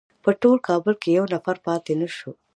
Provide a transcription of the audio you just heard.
په ټول کابل کې یو نفر پاتې نه شو.